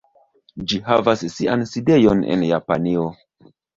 Ĝi havas sian sidejon en Japanio.